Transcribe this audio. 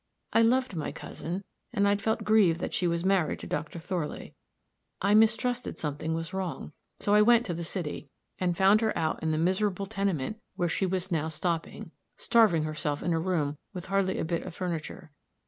I loved my cousin, and I'd felt grieved that she was married to Dr. Thorley. I mistrusted something was wrong; so I went to the city, and found her out in the miserable tenement where she was now stopping, starving herself in a room with hardly a bit of furniture.